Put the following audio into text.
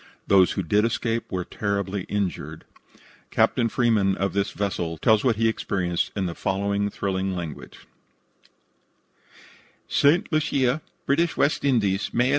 Those who did escape were terribly injured. Captain Freeman, of this vessel, tells what he experienced in the following thrilling language: "St. Lucia, British West Indies, May 11.